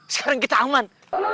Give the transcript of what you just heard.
sekarang kita aman